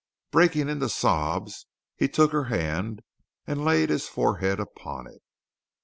Breaking into sobs he took her hand and laid his forehead upon it.